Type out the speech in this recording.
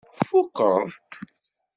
Tfukkeḍ-t?